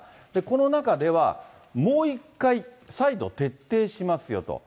この中では、もう一回、再度徹底しますよと。